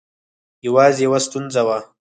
یوازې یوه ستونزه وه.